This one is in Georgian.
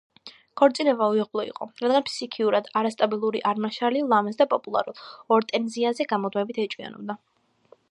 ქორწინება უიღბლო იყო, რადგან ფსიქიურად არასტაბილური არმან შარლი ლამაზ და პოპულარულ ორტენზიაზე გამუდმებით ეჭვიანობდა.